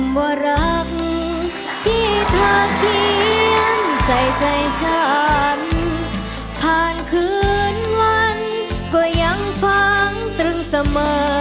เพราะฉะนั้นใส่ใจฉันผ่านคืนวันก็ยังฟังตรงเสมอ